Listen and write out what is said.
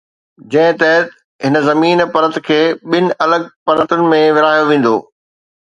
جنهن تحت هن زميني پرت کي ٻن الڳ پرتن ۾ ورهايو ويندو.